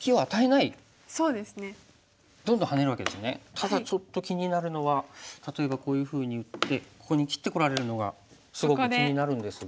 ただちょっと気になるのは例えばこういうふうに打ってここに切ってこられるのがすごく気になるんですが。